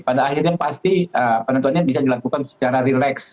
pada akhirnya pasti penontonnya bisa dilakukan secara rileks